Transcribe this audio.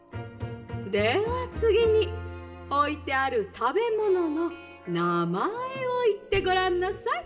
「ではつぎにおいてあるたべもののなまえをいってごらんなさい」。